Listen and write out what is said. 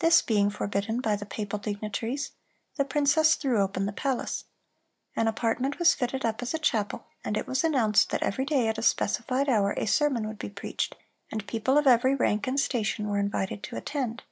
This being forbidden by the papal dignitaries, the princess threw open the palace. An apartment was fitted up as a chapel, and it was announced that every day, at a specified hour, a sermon would be preached, and the people of every rank and station were invited to attend.